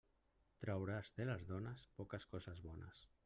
Trauràs de les dones poques coses bones.